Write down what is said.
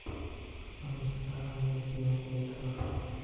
پمیشا آ جیوبیٹرءُ شُت